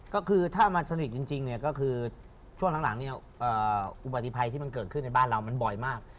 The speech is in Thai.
ก็คือถ้ามันสนิทจริงเนี่ยก็คือช่วงหลังเนี่ยอุบัติภัยที่มันเกิดขึ้นในบ้านเรามันบ่อยมาก